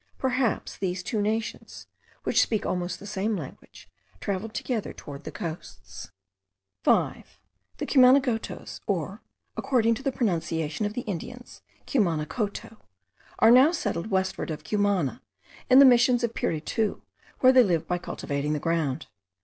Perhaps these two nations, which speak almost the same language, travelled together towards the coasts. 5. The Cumanagotos, or, according to the pronunciation of the Indians, Cumanacoto, are now settled westward of Cumana, in the Missions of Piritu, where they live by cultivating the ground.